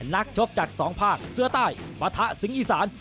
นักชกจากสองภาคเสื้อใต้ปะทะสิงอีสาน